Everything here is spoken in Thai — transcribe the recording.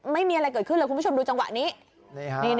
ไม่มีอะไรก็คือแล้วคุณผู้ชมดูจังหวะนี้